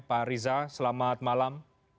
pak riza selamat malam